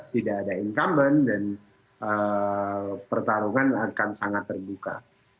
tidak ada incumbent dan pertarungan akan sangat terbuka